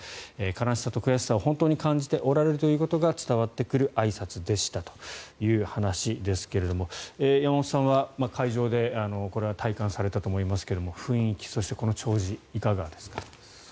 悲しさと悔しさを本当に感じておられることが伝わってくるあいさつでしたということですが山本さんは、会場でこれは体感されたと思いますが雰囲気、そしてこの弔事いかがでしょうか。